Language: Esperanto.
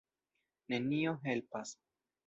Nenio helpas.